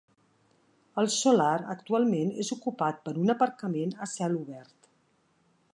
El solar actualment és ocupat per un aparcament a cel obert.